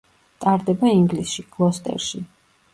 ტარდება ინგლისში, გლოსტერში.